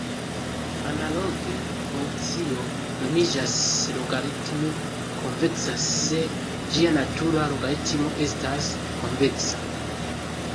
Analoge, funkcio nomiĝas logaritme konveksa se ĝia natura logaritmo estas konveksa.